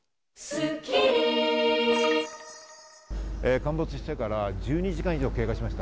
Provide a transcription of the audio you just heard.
陥没してから１２時間以上が経過しました。